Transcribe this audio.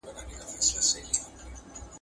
هغه په خپل کار کې ډېر زیات کوښښ کاوه.